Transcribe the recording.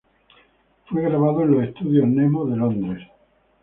Fue grabada en los Estudios Nemo de Londres.